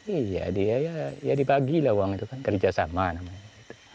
iya dia ya dipagilah uang itu kan kerja sama namanya